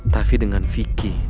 tapi dengan pikii